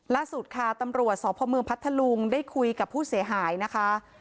ล่าสุดค่ะตำรวจสพเมืองพัทธลุงได้คุยกับผู้เสียหายนะคะ